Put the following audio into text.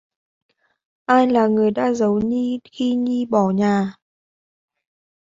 Ai là người đã giấu Nhi đi khi Nhi bỏ nhà